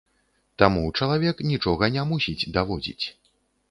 Таму чалавек нічога не мусіць даводзіць.